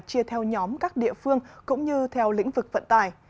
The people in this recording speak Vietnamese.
chia theo nhóm các địa phương cũng như theo lĩnh vực vận tải